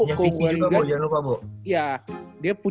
dia punya kelebihan yang ga dimilikiin oleh widi gitu